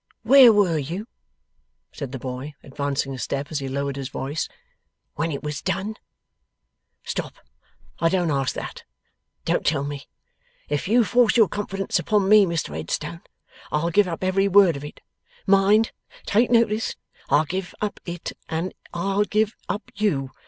'Where were you,' said the boy, advancing a step as he lowered his voice, 'when it was done? Stop! I don't ask that. Don't tell me. If you force your confidence upon me, Mr Headstone, I'll give up every word of it. Mind! Take notice. I'll give up it, and I'll give up you.